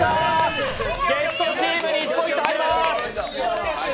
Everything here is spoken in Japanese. ゲストチームに１ポイント入ります。